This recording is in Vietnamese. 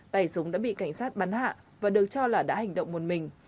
tay súng đã bị cảnh sát bắn hạ và được cho là đã hành động một mình